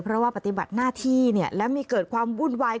เพราะว่าปฏิบัติหน้าที่แล้วไม่เกิดความวุ่นวาย